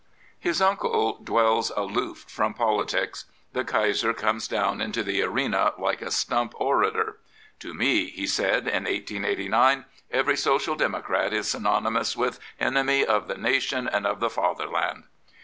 His uncle dwells aloof from politics. The Kaiser comes down into the arena like a stump orator. " To me," he said in 1889, " every Social Democrat is synonymous with enemy of the nation and of the Fatherland."